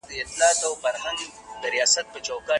ولي محنتي ځوان د مستحق سړي په پرتله لوړ مقام نیسي؟